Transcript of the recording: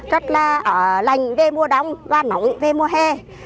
rất là lành về mùa đông và nóng về mùa hè